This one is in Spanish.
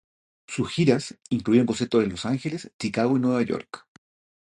Sus giras incluyeron conciertos en Los Ángeles, Chicago y Nueva York.